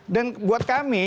dan buat kami